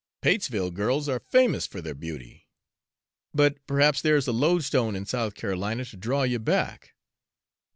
Patesville girls are famous for their beauty. But perhaps there's a loadstone in South Carolina to draw you back?